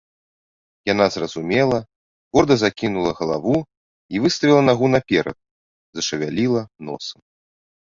Яна зразумела, горда закінула галаву і выставіла нагу наперад, зашавяліла носам.